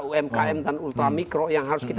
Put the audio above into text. umkm dan ultra mikro yang harus kita